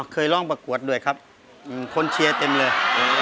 เคยร้องประกวดด้วยครับคนเชียร์เต็มเลย